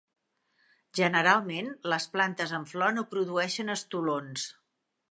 Generalment, les plantes amb flor no produeixen estolons.